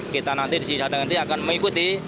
kita nanti di sini sadang nanti akan mengikuti